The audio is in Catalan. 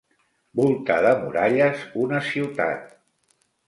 Voltar de muralles una ciutat.